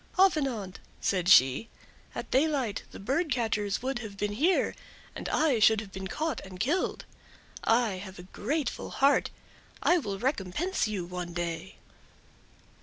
"Avenant," said she, "at daylight the bird catchers would have been here, and I should have been caught and killed. I have a grateful heart; I will recompense you one day."